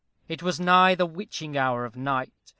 It was nigh the witching hour of night.